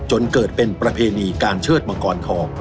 จนเกิดเป็นประเพณีการเชิดมังกรทอง